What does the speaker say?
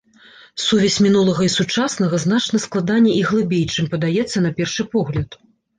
Сувязь мінулага і сучаснага значна складаней і глыбей, чым падаецца на першы погляд.